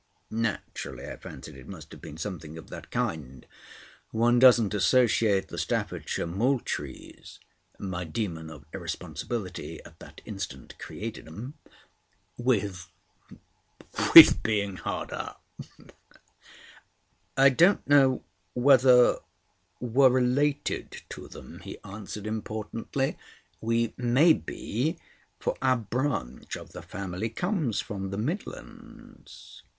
"Naturally. I fancied it must have been something of that kind. One doesn't associate the Staffordshire Moultries" (my Demon of Irresponsibility at that instant created 'em), "with—with being hard up." "I don't know whether we're related to them," he answered importantly. "We may be, for our branch of the family comes from the Midlands."